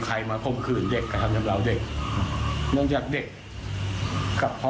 ใครมาข่มขืนเด็กกระทำชำราวเด็กเนื่องจากเด็กกับพ่อ